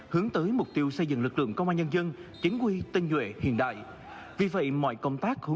hướng tới mục tiêu xây dựng lực lượng